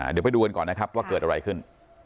เดี๋ยวไปดูกันก่อนนะครับว่าเกิดอะไรขึ้น